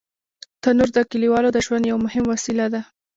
تنور د کلیوالو د ژوند یو مهم وسیله ده